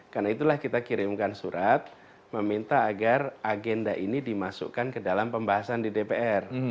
karena itulah kita kirimkan surat meminta agar agenda ini dimasukkan ke dalam pembahasan di dpr